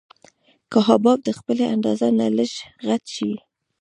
که حباب د خپلې اندازې نه لږ غټ شي.